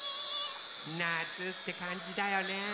なつ！ってかんじだよね。